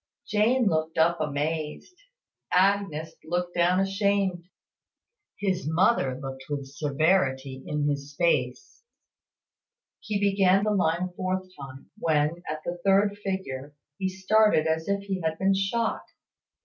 Jane looked up amazed Agnes looked down ashamed; his mother looked with severity in his face. He began the line a fourth time, when, at the third figure, he started as if he had been shot.